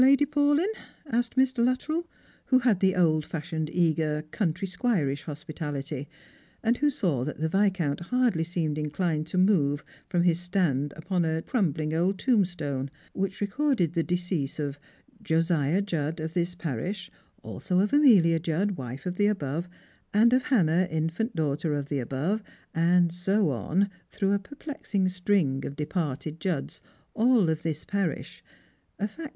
Lady Paulyn?" asked ITr. Luttrell, who had the old fashioned eager country squireish hosi)itality, and who saw that the Yiscount hardly seemed inclined to move from his stand upon a crum bling old tombstone which recorded the decease of " Josiah Judd, of this parish ; also of Amelia Judd, wife of the above ; and of Hannah, iniant daughter of the above," and so on, through a perplexins string of departed Judds, all of this parish ; a fact 92 Strangers a?id Pilgrims.